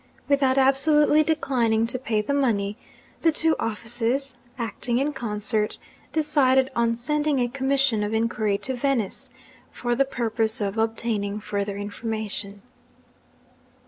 Without absolutely declining to pay the money, the two offices (acting in concert) decided on sending a commission of inquiry to Venice, 'for the purpose of obtaining further information.'